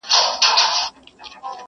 زوره وره هيبتناكه تكه توره.!